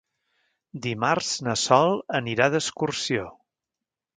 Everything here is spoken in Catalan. Dimarts na Sol anirà d'excursió.